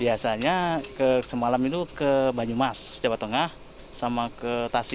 biasanya semalam itu ke banyumas jawa tengah sama ke tasik